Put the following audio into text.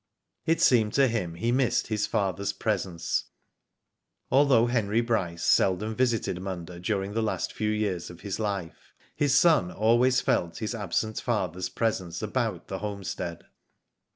It seemed to him he missed his father^s presence. Although Henry Bryce seldom visited Munda during the last few years of his life, his son always felt his absent father's presence about the homestead.